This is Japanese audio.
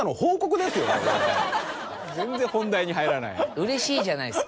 うれしいじゃないですか。